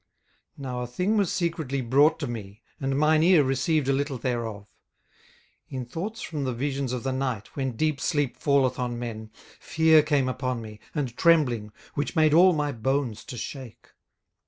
18:004:012 Now a thing was secretly brought to me, and mine ear received a little thereof. 18:004:013 In thoughts from the visions of the night, when deep sleep falleth on men, 18:004:014 Fear came upon me, and trembling, which made all my bones to shake.